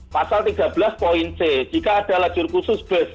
pasal tiga belas poin c jika ada lajur khusus bus